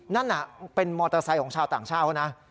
นั่นน่ะเป็นมอเตอร์ไซส์ของชาวต่างชาวนะ